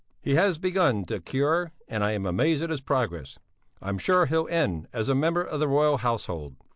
He has begun the cure and I am amazed at his progress. I'm sure he'll end as a member of the Royal Household.